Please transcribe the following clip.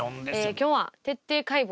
今日は「徹底解剖！